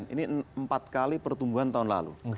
ini empat kali pertumbuhan tahun lalu